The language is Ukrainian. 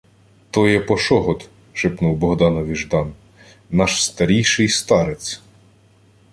— То є Пошогод, — шепнув Богданові Ждан. — Наш старійший старець.